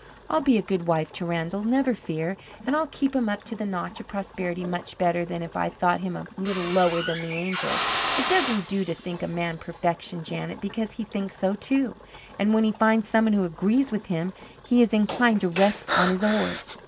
I'll be a good wife to Randall, never fear, and I'll keep him up to the notch of prosperity much better than if I thought him a little lower than the angels. It doesn't do to think a man perfection, Janet, because he thinks so too, and when he finds someone who agrees with him he is inclined to rest on his oars."